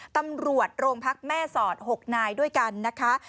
ตำรวจโรงพักแม่สอด๖นายด้วยกันนะคะ